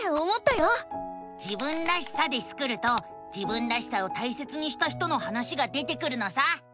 「自分らしさ」でスクると自分らしさを大切にした人の話が出てくるのさ！